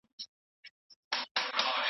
ميرويس خان نيکه د شاه حسين سره څنګه ولیدل؟